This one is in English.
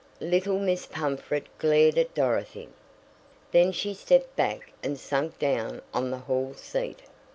Little Miss Pumfret glared at Dorothy. Then she stepped back and sank down on the hall seat.